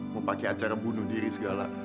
mau pakai acara bunuh diri segala